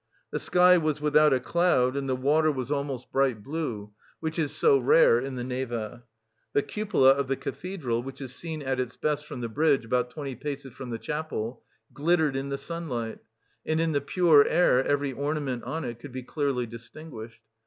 The sky was without a cloud and the water was almost bright blue, which is so rare in the Neva. The cupola of the cathedral, which is seen at its best from the bridge about twenty paces from the chapel, glittered in the sunlight, and in the pure air every ornament on it could be clearly distinguished.